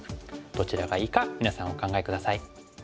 どちらがいいか皆さんお考え下さい。